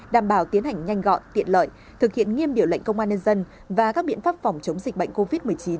đảm bảo tiến hành nhanh gọn tiện lợi thực hiện nghiêm điều lệnh công an nhân dân và các biện pháp phòng chống dịch bệnh covid một mươi chín